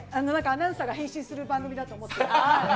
アナウンサーが変身する番組だと思って。